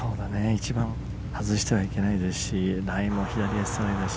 一番外してはいけないですしライも左足下がりだし。